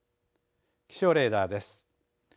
気象レーダーです。